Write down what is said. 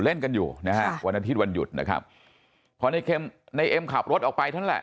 เล่นกันอยู่นะฮะวันอาทิตย์วันหยุดนะครับพอในเข็มในเอ็มขับรถออกไปนั่นแหละ